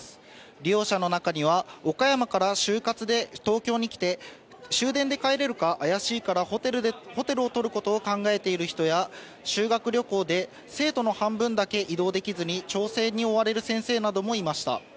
利用者の中には、岡山から就活で東京に来て、終電で帰れるか怪しいからホテルを取ることを考えている人や、修学旅行で生徒の半分だけ移動できずに、調整に追われる先生などもいました。